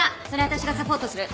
私がサポートする。